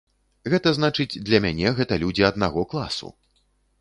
Гэта значыць, для мяне гэта людзі аднаго класу.